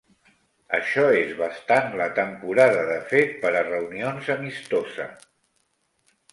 Això és bastant la temporada de fet per a reunions amistosa.